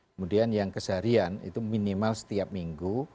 kemudian yang keseharian itu minimal setiap minggu